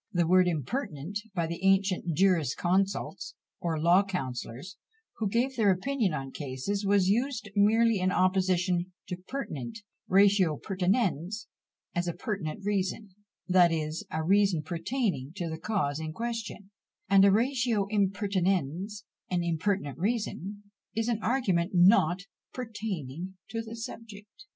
The word impertinent, by the ancient jurisconsults, or law counsellors, who gave their opinion on cases, was used merely in opposition to pertinent ratio pertinens is a pertinent reason, that is, a reason pertaining to the cause in question, and a ratio impertinens, an impertinent reason, is an argument not pertaining to the subject.